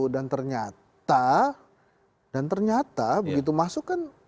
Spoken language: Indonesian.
dan ternyata dan ternyata begitu masuk kan